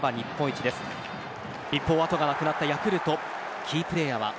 一方、後がなくなったヤクルトキープレーヤーは？